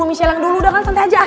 michelle yang dulu udah kan nanti aja